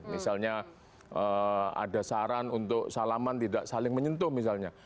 misalnya ada saran untuk salaman tidak saling menyentuh misalnya